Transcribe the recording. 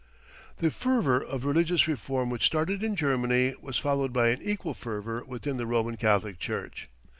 "] The fervour of religious reform which started in Germany was followed by an equal fervour within the Roman Catholic Church.